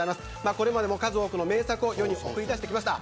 これまでも数多くの名作を世に送り出してきました。